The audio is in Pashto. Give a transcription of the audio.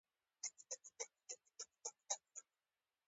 شمس الدوله پیغامونه هم ملګري شول.